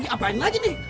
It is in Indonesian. diapain lagi nih